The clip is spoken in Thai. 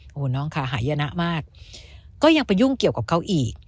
โอ้โหน้องค่ะหายนะมากก็ยังไปยุ่งเกี่ยวกับเขาอีก